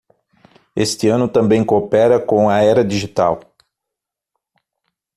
Este ano também coopera com a era digital